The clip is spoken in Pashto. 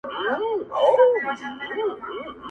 ته به زمــا د زړه دنــيـا ورانــــه كـــــــــړې~